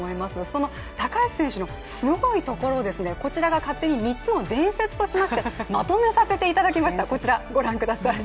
その高橋選手のすごいところですね、こちらが勝手に３つの伝説としましてまとめさせていただきました。